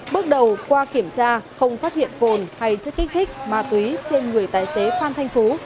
bước đầu qua kiểm tra không phát hiện cồn hay chất kích thích ma túy trên người tài xế phan thanh phú